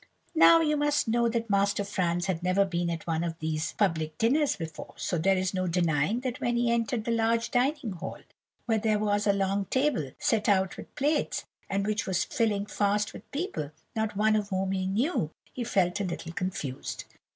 "Now, you must know that Master Franz had never been at one of these public dinners before, so there is no denying that when he entered the large dining hall, where there was a long table, set out with plates, and which was filling fast with people, not one of whom he knew, he felt a little confused.